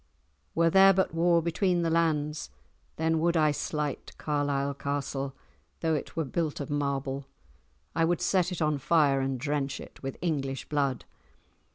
Were there but war between the lands, then would I slight Carlisle Castle though it were built of marble; I would set it on fire and drench it with English blood.